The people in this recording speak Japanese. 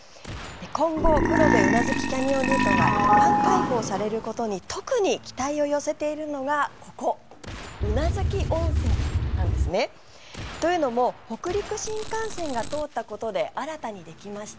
今後黒部宇奈月キャニオンルートが一般開放されることに特に期待を寄せているのがここ、宇奈月温泉なんですね。というのも北陸新幹線が通ったことで新たにできました